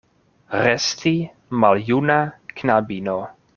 Resti maljuna knabino.